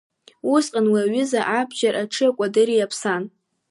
Усҟан уи аҩыза абџьар аҽи акәадыри иаԥсан.